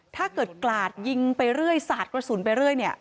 ถ้าเกิดกราดยิงไปเรื่อยสาดกระสุนไปเรื่อยเนี่ย